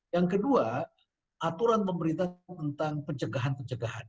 yang kedua aturan pemerintah tentang pencegahan pencegahan